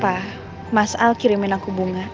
pak masal kirimin aku bunga